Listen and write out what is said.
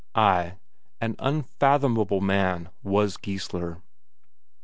Ay, an unfathomable man was Geissler.